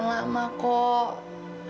jangan lama kok